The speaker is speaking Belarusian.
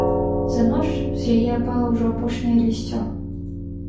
За ноч з яе апала ўжо апошняе лісцё.